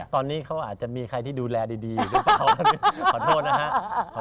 ตอนนี้เขาอาจจะมีใครที่ดูแลดีอยู่หรือเปล่าขอโทษนะฮะ